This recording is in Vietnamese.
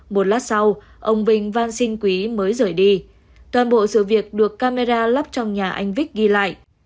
một lát sau ông vinh văn sinh quý mới rời đi toàn bộ sự việc được camera lắp trong nhà anh vích ghi lại